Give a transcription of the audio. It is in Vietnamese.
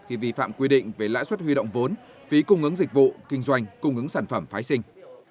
khi vi phạm quy định về lãi suất huy động vốn phí cung ứng dịch vụ kinh doanh cung ứng sản phẩm phái sinh